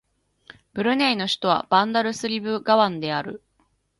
ブルネイの首都はバンダルスリブガワンである